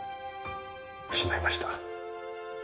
失いました